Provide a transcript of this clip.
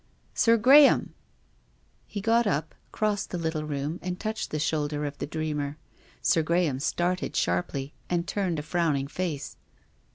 " Sir Graham !" He got up, crossed the little room and touched the shoulder of the dreamer. Sir Graham started sharply and turned a frowning face.